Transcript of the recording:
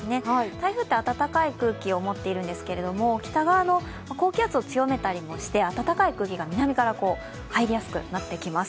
台風って暖かい空気を持っているんですけど、北側の高気圧を強めたりして暖かい空気が南から入りやすくなってきます。